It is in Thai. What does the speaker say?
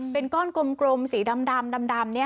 เป็นก้อนกลมสีดำ